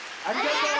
ありがとう！